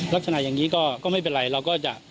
ลักษณะอย่างนี้ก็ไม่เป็นไรเราก็จะ